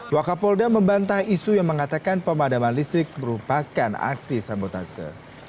wakapolda membantah isu yang mengatakan pemadaman listrik merupakan aksi sabotase